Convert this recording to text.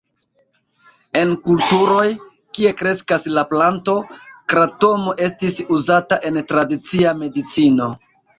En kulturoj, kie kreskas la planto, kratomo estis uzata en tradicia medicino.